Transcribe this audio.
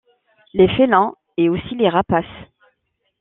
Les félins et aussi les rapaces.